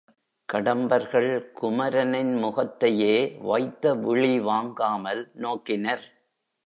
கடம்பர்கள் குமரனின் முகத்தையே வைத்தவிழி வாங்காமல் நோக்கினர்.